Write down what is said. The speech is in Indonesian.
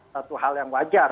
satu hal yang wajar